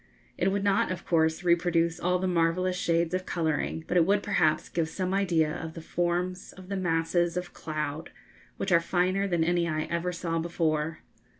It would not, of course, reproduce all the marvellous shades of colouring, but it would perhaps give some idea of the forms of the masses of cloud, which are finer than any I ever saw before.